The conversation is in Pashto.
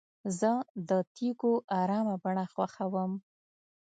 زه د تیږو ارامه بڼه خوښوم.